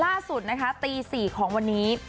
ล่าสุดนะคะตี๔ของวันนี้